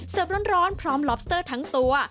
ร้อนพร้อมลอบสเตอร์ทั้งตัว